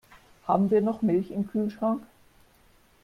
Haben wir noch Milch im Kühlschrank?